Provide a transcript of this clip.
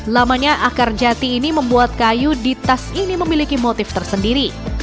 lamanya akar jati ini membuat kayu di tas ini memiliki motif tersendiri